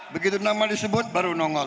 begitu nama disebut baru nongol